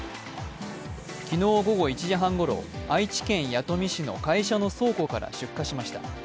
昨日午後１時半ごろ愛知県弥富市の会社の倉庫から出火しました。